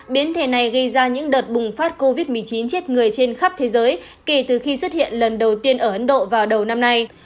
biến thể này gây ra những đợt bùng phát covid một mươi chín chết người trên khắp thế giới kể từ khi xuất hiện lần đầu tiên ở ấn độ vào đầu năm nay